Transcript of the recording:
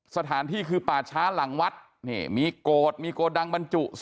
สถานที่คือป่าช้าหลังวัดนี่มีโกรธมีโกดังบรรจุ